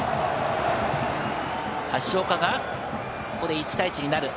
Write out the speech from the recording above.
橋岡がここで１対１になる。